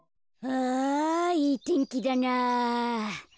あいいてんきだな。